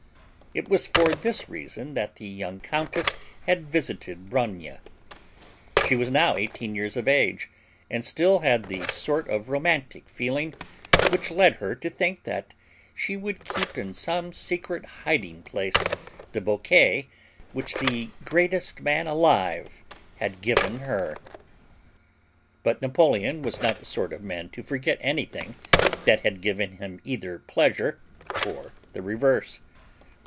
It was for this reason that the young Countess had visited Bronia. She was now eighteen years of age and still had the sort of romantic feeling which led her to think that she would keep in some secret hiding place the bouquet which the greatest man alive had given her. But Napoleon was not the sort of man to forget anything that had given him either pleasure or the reverse.